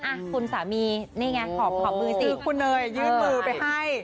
อ่ะคุณสามีนี่ไงขอบมือสิคุณเนยยื่นมือไปให้